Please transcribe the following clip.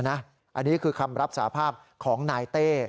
อันนี้คือคำรับสาภาพของนายเต้